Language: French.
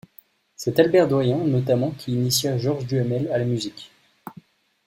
C’est Albert Doyen notamment qui initia Georges Duhamel à la musique.